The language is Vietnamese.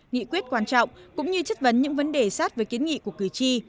nghị quyết quan trọng cũng như chất vấn những vấn đề sát với kiến nghị của cử tri